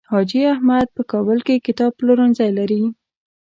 حاجي احمد په کابل کې کتاب پلورنځی لري.